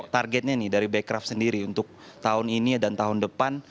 targetnya nih dari bekraf sendiri untuk tahun ini dan tahun depan